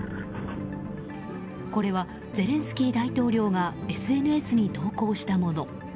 これは、ゼレンスキー大統領がＳＮＳに投稿したもの。